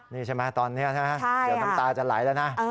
นี่ใช่ไหมตอนนี้จะไหลแล้วนะ